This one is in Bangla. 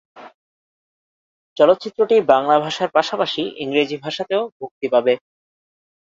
চলচ্চিত্রটি বাংলা ভাষার পাশাপাশি ইংরেজি ভাষাতেও মুক্তি পাবে।